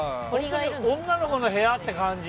女の子の部屋って感じ。